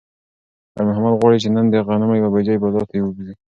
خیر محمد غواړي چې نن د غنمو یوه بوجۍ بازار ته بوځي.